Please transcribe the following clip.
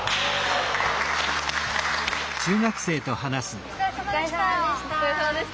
お疲れさまでした。